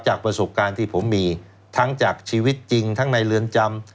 ประสบการณ์ที่ผมมีทั้งจากชีวิตจริงทั้งในเรือนจำ